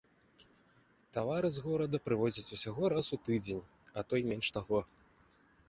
Тавары з горада прывозяць усяго раз у тыдзень, а то й менш таго.